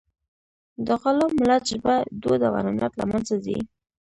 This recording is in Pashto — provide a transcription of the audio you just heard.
د غلام ملت ژبه، دود او عنعنات له منځه ځي.